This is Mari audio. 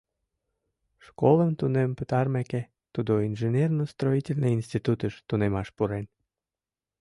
Школым тунем пытарымеке, тудо инженерно-строительный институтыш тунемаш пурен.